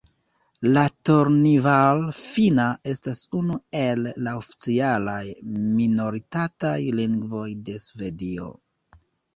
La Tornival-finna estas unu el la oficialaj minoritataj lingvoj de Svedio.